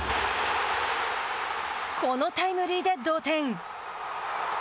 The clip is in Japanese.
このタイムリーで同点。